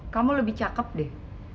kamu lebih cakep deh